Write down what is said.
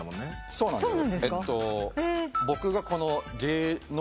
そうなんですか？